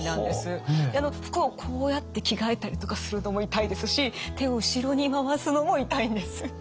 であの服をこうやって着替えたりとかするのも痛いですし手を後ろに回すのも痛いんです。